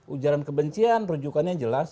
ujaran kebencian perujukannya jelas